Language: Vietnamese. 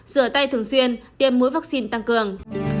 rửa tay thường xuyên tiêm mũi vaccine tăng cường